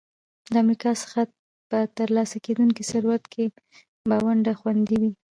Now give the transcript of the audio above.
له امریکا څخه په ترلاسه کېدونکي ثروت کې به ونډه خوندي وي.